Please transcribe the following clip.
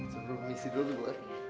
sebelum misi dulu bu